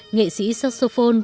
nghệ sĩ saxophone